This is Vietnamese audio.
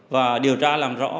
và điều tra làm rõ